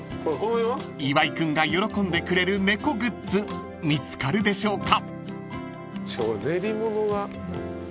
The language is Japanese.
［岩井君が喜んでくれる猫グッズ見つかるでしょうか］